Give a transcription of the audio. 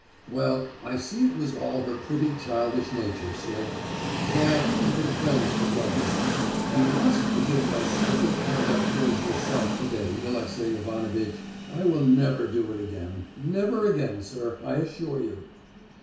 "Well, I see it was all her pretty childish nature, sir—that and her friends together. You must forgive my stupid conduct towards yourself to day, Alexey Ivanovitch. I will never do it again—never again, sir, I assure you!"